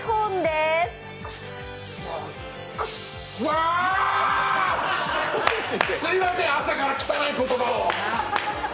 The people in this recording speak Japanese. すいません、朝から汚い言葉を。